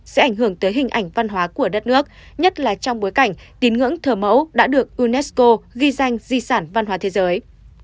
sẽ ảnh hưởng tới hình ảnh văn hóa của đất nước nhất là trong bối cảnh tín ngưỡng thờ mẫu đã được unesco ghi danh di sản văn hóa thế giới